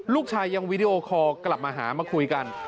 ลูกชายยังวีดีโอคอลกลับมาหามาคุยกัน